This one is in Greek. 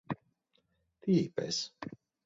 Τι είπες;